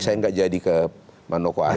saya enggak jadi ke manokwari